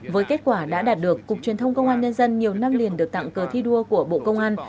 với kết quả đã đạt được cục truyền thông công an nhân dân nhiều năm liền được tặng cờ thi đua của bộ công an